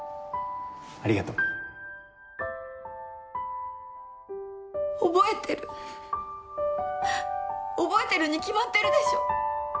ありがとう覚えてる覚えてるに決まってるでしょ